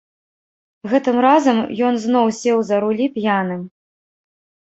Гэтым разам ён зноў сеў за рулі п'яным.